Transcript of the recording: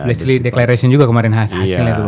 bletchley declaration juga kemarin hasilnya